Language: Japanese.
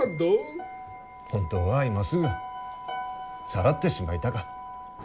本当は今すぐさらってしまいたか。